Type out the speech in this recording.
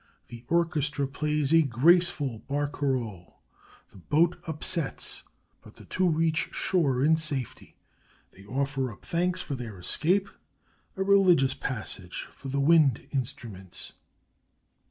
The orchestra plays a graceful barcarolle. The boat upsets, but the two reach shore in safety. They offer up thanks for their escape (a religious passage for the wind instruments).